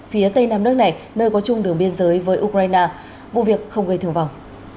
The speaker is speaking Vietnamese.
phía tây nam nước này nơi có chung đường biên giới với ukraine vụ việc không gây thương vong